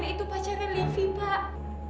kak fadil itu pacarnya livi pak